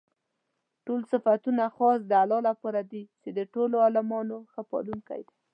ټول صفتونه خاص د الله لپاره دي چې د ټولو عالَمونو ښه پالونكى دی.